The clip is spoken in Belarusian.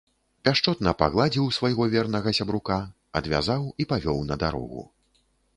Пяшчотна пагладзіў свайго вернага сябрука, адвязаў і павёў на дарогу.